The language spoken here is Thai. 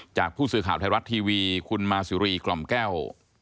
จากผู้สื่อข่าวไทยรัฐทีวีคุณมาซิรีกล่อมแก้ว